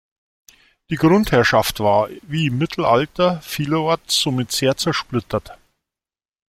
Die Grundherrschaft war, wie im Mittelalter vielerorts, somit sehr zersplittert.